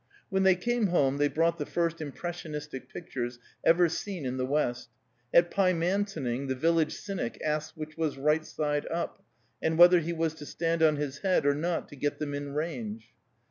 When they came home they brought the first impressionistic pictures ever seen in the West; at Pymantoning, the village cynic asked which was right side up, and whether he was to stand on his head or not to get them in range.